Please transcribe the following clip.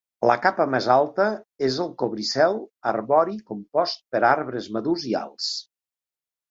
La capa més alta és el cobricel arbori compost per arbres madurs alts.